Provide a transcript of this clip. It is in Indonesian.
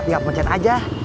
tinggal pencet aja